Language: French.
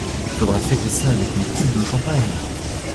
Il faudra fêter ça avec une coupe de champagne.